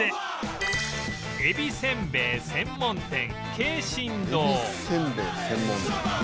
えびせんべい専門店。